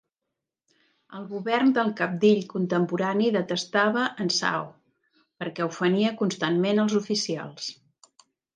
El govern del cabdill contemporani detestava en Shao, perquè ofenia constantment els oficials.